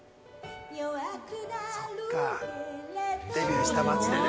そっか、デビューした街でね。